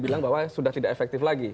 bilang bahwa sudah tidak efektif lagi